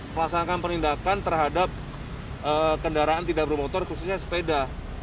melaksanakan penindakan terhadap kendaraan tidak bermotor khususnya sepeda